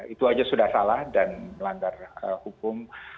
itu aja sudah salah dan melanggar hukum